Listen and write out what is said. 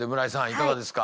いかがですか？